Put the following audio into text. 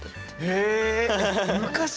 へえ。